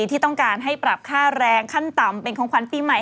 ที่ต้องการให้ปรับค่าแรงขั้นต่ำเป็นของขวัญปีใหม่